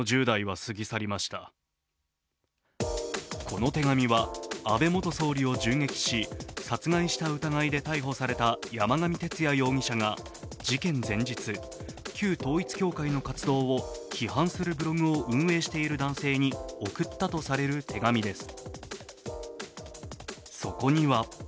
この手紙は安倍元総理を銃撃し、殺害した疑いで逮捕された山上徹也容疑者が事件前日、旧統一教会の活動を批判するブログを運営している男性に送ったとされる手紙です。